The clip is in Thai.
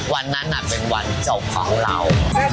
วันนั้นเป็นวันจบของเรา